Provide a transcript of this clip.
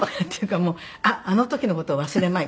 もう「あっあの時の事を忘れまい」